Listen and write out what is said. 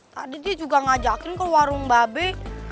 tadi dia juga ngajakin ke warung babe